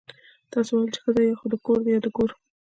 تاسو ويل چې ښځه يا خو د کور ده يا د ګور.